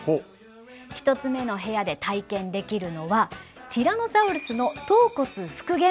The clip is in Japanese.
１つ目の部屋で体験できるのはティラノサウルスの頭骨復元。